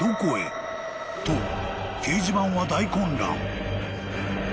［と掲示板は大混乱］